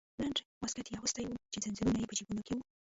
لنډی واسکټ یې اغوستی و چې زنځیرونه یې په جیبونو کې وو.